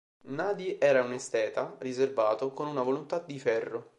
Nadi era un esteta riservato, con una volontà di ferro.